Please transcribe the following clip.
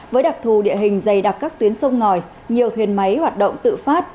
với đặc thù địa hình dày đặc các tuyến sông ngòi nhiều thuyền máy hoạt động tự phát